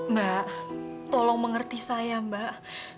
mbak tolong mengerti saya mbak